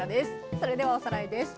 それではおさらいです。